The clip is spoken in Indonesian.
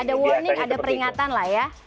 ada warning ada peringatan lah ya